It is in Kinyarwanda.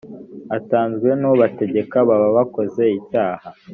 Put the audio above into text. atanzwe n ubategeka baba bakoze icyaha